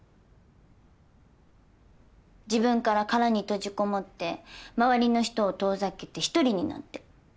自分から殼に閉じこもって周りの人を遠ざけて一人になって。